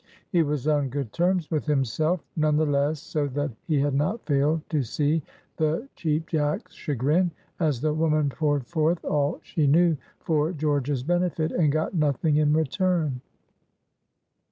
He was on good terms with himself; none the less so that he had not failed to see the Cheap Jack's chagrin, as the woman poured forth all she knew for George's benefit, and got nothing in return.